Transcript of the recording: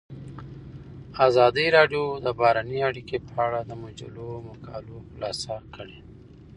ازادي راډیو د بهرنۍ اړیکې په اړه د مجلو مقالو خلاصه کړې.